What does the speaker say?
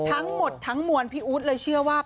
ทั้งหมดทั้งมวลพี่อู๊ดเลยเชื่อว่า